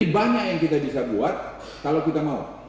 banyak yang kita bisa buat kalau kita mau